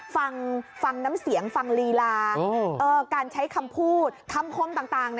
ฟังฟังน้ำเสียงฟังลีลาการใช้คำพูดคำคมต่าง